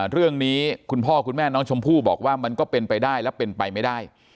เรื่องนี้คุณพ่อคุณแม่น้องชมพู่บอกว่ามันก็เป็นไปได้และเป็นไปไม่ได้